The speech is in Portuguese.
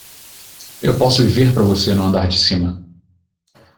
Eu posso viver para você no andar de cima.